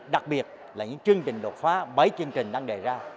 đặc biệt là những chương trình đột phá bảy chương trình đang đề ra